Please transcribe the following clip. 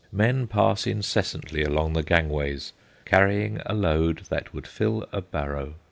Men pass incessantly along the gangways, carrying a load that would fill a barrow.